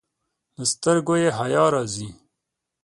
له سترګو یې حیا راځي.